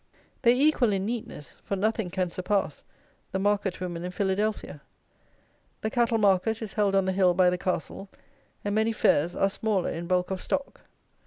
They equal in neatness (for nothing can surpass) the market women in Philadelphia. The cattle market is held on the hill by the castle, and many fairs are smaller in bulk of stock.